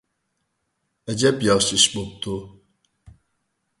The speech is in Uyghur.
ئەجەب ياخشى ئىش بوپتۇ!